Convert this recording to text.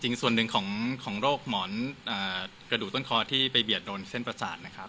ส่วนหนึ่งของโรคหมอนกระดูกต้นคอที่ไปเบียดโดนเส้นประสาทนะครับ